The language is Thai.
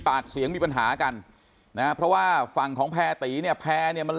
ปากเสียงมีปัญหากันนะเพราะว่าฝั่งของแพรตีเนี่ยแพร่เนี่ยมัน